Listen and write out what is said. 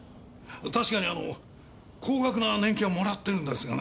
確かにあの高額な年金はもらってるんですがね。